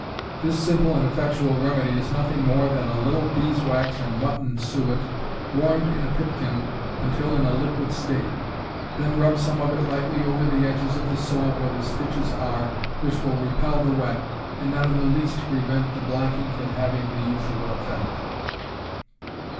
_ This simple and effectual remedy is nothing more than a little beeswax and mutton suet, warmed in a pipkin until in a liquid state. Then rub some of it lightly over the edges of the sole where the stitches are, which will repel the wet, and not in the least prevent the blacking from having the usual effect.